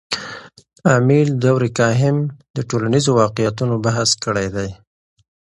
امیل دورکهایم د ټولنیزو واقعیتونو بحث کړی دی.